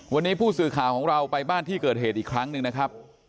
วันนี้ผู้สื่อข่าวของเราไปบ้านที่เกิดเหตุอีกครั้งหนึ่งนะครับ